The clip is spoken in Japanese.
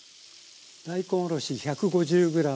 大根おろし１５０ｇ。